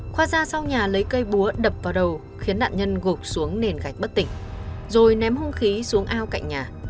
khoa ra sau nhà lấy cây búa đập vào đầu khiến nạn nhân gộp xuống nền gạch bất tỉnh rồi ném hung khí xuống ao cạnh nhà